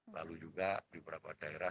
lalu juga di beberapa daerah